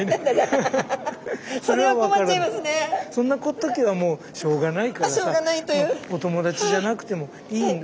そんな時はもうしょうがないからさお友達じゃなくてもいいの。